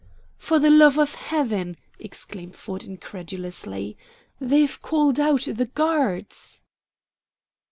"For the love of Heaven!" exclaimed Ford incredulously, "they've called out the Guards!"